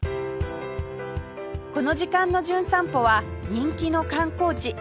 この時間の『じゅん散歩』は人気の観光地兵庫県へ